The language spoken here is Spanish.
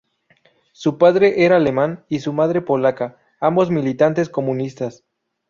Su padre era alemán y su madre polaca, ambos militantes comunistas.